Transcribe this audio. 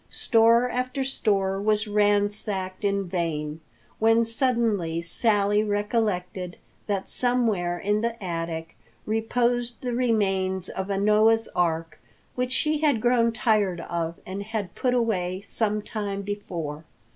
Store after store was ransacked in vain, when suddenly Sally recollected that somewhere in the attic reposed the remains of a Noah's Ark which she had grown tired of and had put away some time before.